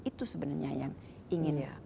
itu sebenarnya yang ingin